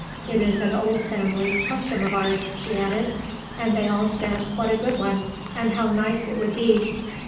It is an old family custom of ours," she added, and they all said what a good one, and how nice it would be.